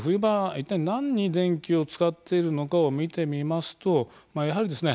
一体何に電気を使っているのかを見てみますとまあやはりですね